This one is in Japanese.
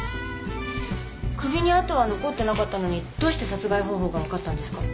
首にあとは残ってなかったのにどうして殺害方法が分かったんですか？